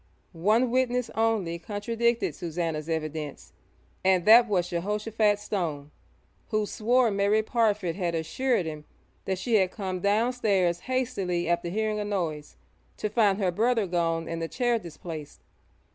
One witness only contradicted Susannah's evidence, and that was Jehoshaphat Stone, who swore Mary Parfitt had assured him that she had come downstairs hastily after hearing a noise, to find her brother gone and the chair displaced.